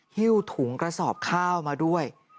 หิ้วถุงกระสอบข้าวมาด้วย